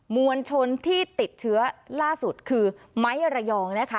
มวลชนที่ติดเชื้อล่าสุดคือไม้ระยองนะคะ